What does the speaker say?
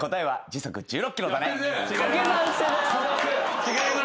違います。